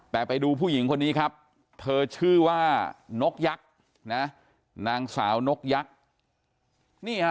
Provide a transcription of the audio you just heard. แต่ไปดูผู้หญิงคนนี้ครับเธอชื่อว่านกยักษ์นะนางสาวนกยักษ์